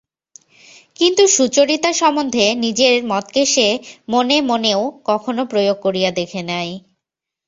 কিন্তু সুচরিতা সম্বন্ধে নিজের মতকে সে মনে মনেও কখনো প্রয়োগ করিয়া দেখে নাই।